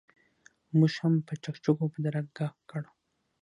موږ هم په چکچکو بدرګه کړ.